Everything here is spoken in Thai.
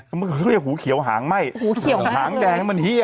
ก็เรียกว่าหูเขียวหางไหม้หางแดงมันเฮีย